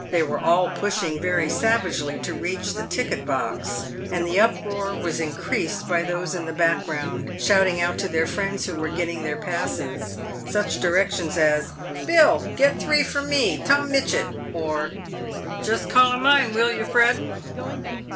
They were all pushing very savagely to reach the ticket box, and the uproar was increased by those in the back ground shouting out to their friends who were getting their passes such directions as, " Bill, get three for me — Tom Mitchett ;" or, " Just collar mine, will you, Fred